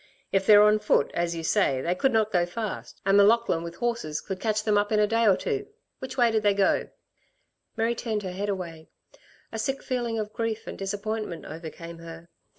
If they're on foot, as ye say, they could not go fast, and M'Laughlin with horses could catch them up in a day or two. Which way did they go?" Mary turned her head away. A sick feeling of grief and disappointment overcame her.